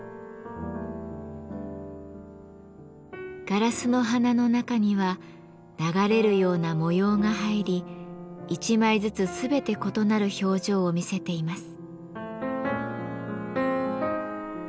ガラスの花の中には流れるような模様が入り一枚ずつ全て異なる表情を見せています。